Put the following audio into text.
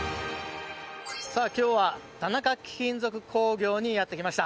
今日は田中貴金属工業にやってきました。